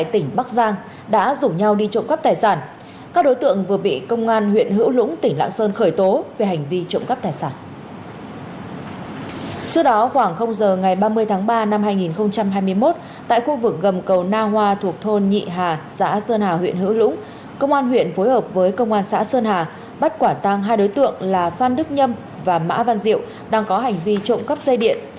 ba mươi tháng ba năm hai nghìn hai mươi một tại khu vực gầm cầu na hoa thuộc thôn nhị hà xã sơn hà huyện hữu lũng công an huyện phối hợp với công an xã sơn hà bắt quả tăng hai đối tượng là phan đức nhâm và mã văn diệu đang có hành vi trộm cắp xây điện